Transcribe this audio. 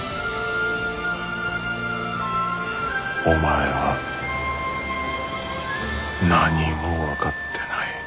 お前は何も分かってない。